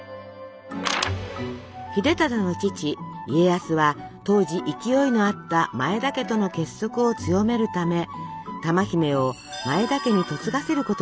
秀忠の父家康は当時勢いのあった前田家との結束を強めるため珠姫を前田家に嫁がせることにしたのです。